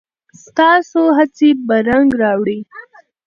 ستاسو هڅې به رنګ راوړي.